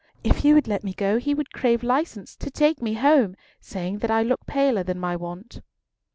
If you would let me go, he would crave license to take me home, saying that I look paler than my wont."